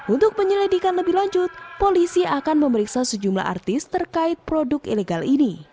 untuk penyelidikan lebih lanjut polisi akan memeriksa sejumlah artis terkait produk ilegal ini